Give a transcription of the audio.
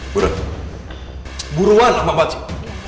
buruan buruan sama pak cik